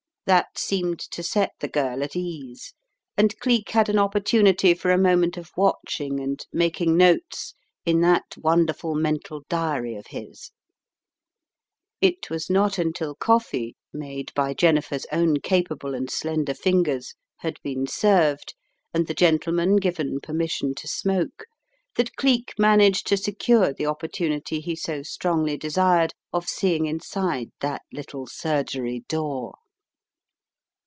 That seemed to set the girl at ease, and Cleek had an opportunity for a moment of watching and making notes in that wonderful mental diary of his. It was not until coffee, made by Jennifer's own capable and slender fingers, had been served and the gentlemen given permission to smoke, that Cleek managed to secure the opportunity he so strongly desired, of seeing inside that little surgery door.